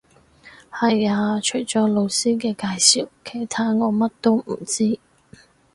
係呀，除咗老師嘅介紹，其他我乜都唔知